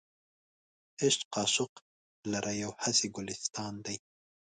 عشق عاشق لره یو هسې ګلستان دی.